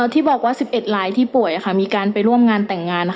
ที่บอกว่า๑๑รายที่ป่วยมีการไปร่วมงานแต่งงาน